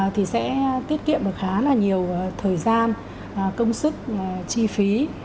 thì sẽ tiết kiệm được khá là nhiều thời gian công sức chi phí